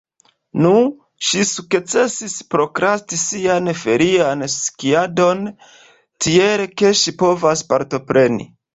Nu, ŝi sukcesis prokrasti sian ferian skiadon, tiel ke ŝi povos partopreni.